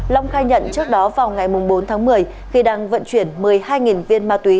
long khai nhận trước đó vào ngày bốn tháng một mươi khi đang vận chuyển một mươi hai viên ma túy